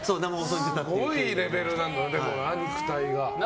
すごいレベルなんだな、肉体が。